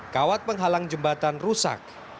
kawat penghalang jembatan rusak